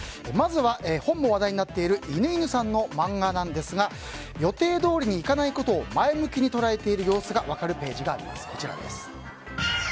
まずは本も話題になっている犬犬さんの漫画なんですが予定どおりにいかないことを前向きに捉えていることが分かるページがあります。